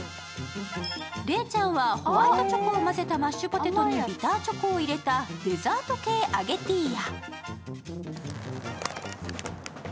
礼ちゃんはホワイトチョコを混ぜたマッシュポテトにビターチョコを入れたデザート系あげティーヤ。